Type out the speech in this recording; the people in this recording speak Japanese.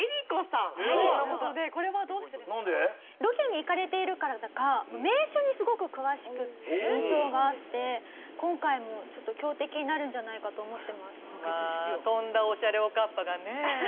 ロケに行かれているからか名所にすごく詳しい印象があって今回も強敵になるんじゃないかと思ってます。